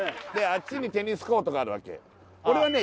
あっちにテニスコートがあるわけ俺はね